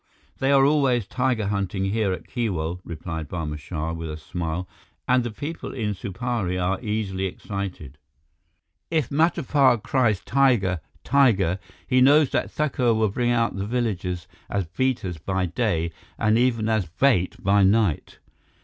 "They are always tiger hunting here at Keewal," replied Barma Shah with a smile, "and the people in Supari are easily excited. If Matapar cries, 'Tiger! Tiger!' he knows that Thakur will bring out the villagers as beaters by day and even as bait by night."